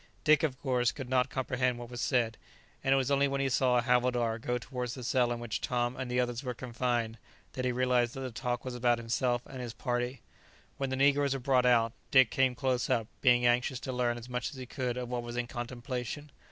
Dick, of course, could not comprehend what was said, and it was only when he saw a havildar go towards the cell in which Tom and the others were confined, that he realized that the talk was about himself and his party. When the negroes were brought out, Dick came close up, being anxious to learn as much as he could of what was in contemplation.